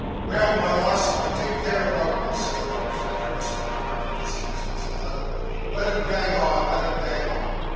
'Weel, my lass, I dean't care aboot 'un,' said the corn factor, bestowing a hearty kiss on Miss Matilda; 'let 'un gang on, let 'un gang on.